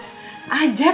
rumah calon mertua